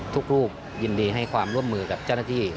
ทุกรูปยินดีให้ความร่วมมือกับเจ้าหน้าที่